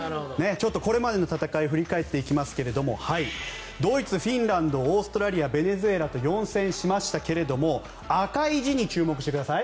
これまでの戦いを振り返りますがドイツ、フィンランドオーストラリア、ベネズエラと４戦しましたけれど赤い字に注目してください。